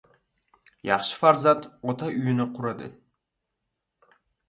• Yaxshi farzand ota uyini quradi.